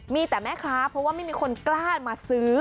มีแต่แม่ค้าเพราะว่าไม่มีคนกล้ามาซื้อ